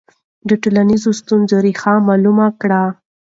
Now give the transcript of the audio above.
د ټولنیزو ستونزو ریښه معلومه کړه.